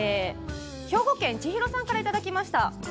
兵庫県の方からいただきました。